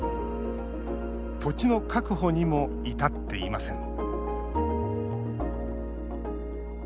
土地の確保にも至っていません